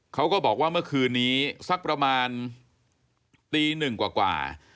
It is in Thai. เขาก็บอกว่าเมื่อคืนนี้สักประมาณตีหนึ่งกว่า